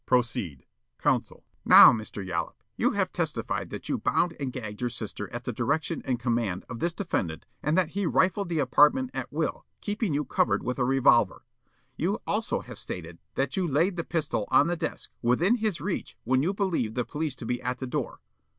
Proceed." Counsel: "Now, Mr. Yollop, you have testified that you bound and gagged your sister at the direction and command of this defendant and that he rifled the apartment at will, keeping you covered with a revolver. You also have stated that you laid the pistol on the desk, within his reach, when you believed the police to be at the door.